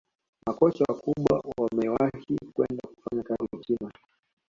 makocha wakubwa wamewahi kwenda kufanya kazi china